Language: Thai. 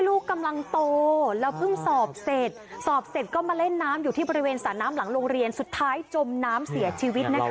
ลูกกำลังโตแล้วเพิ่งสอบเสร็จสอบเสร็จก็มาเล่นน้ำอยู่ที่บริเวณสระน้ำหลังโรงเรียนสุดท้ายจมน้ำเสียชีวิตนะคะ